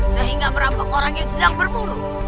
sehingga berapa orang yang sedang berburu